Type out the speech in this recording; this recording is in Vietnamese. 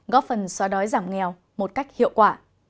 do đói giảm nghèo một cách hiệu quả